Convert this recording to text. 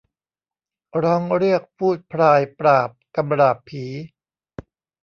ร้องเรียกภูตพรายปราบกำราบผี